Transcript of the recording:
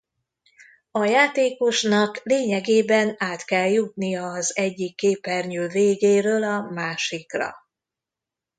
A játékosnak lényegében át kell jutnia az egyik képernyő végéről a másikra.